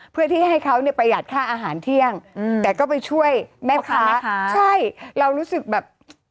เพื่อที่ให้เขาเนี่ยประหยัดค่าอาหารเที่ยงอืมแต่ก็ไปช่วยแม่ค้าใช่เรารู้สึกแบบ